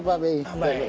apa kabar nih pak beyi